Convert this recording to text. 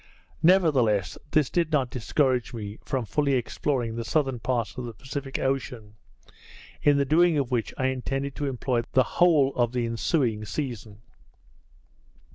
Nevertheless, this did not discourage me from fully exploring the southern parts of the Pacific Ocean, in the doing of which I intended to employ the whole of the ensuing season.